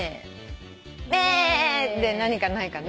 メェで何かないかね。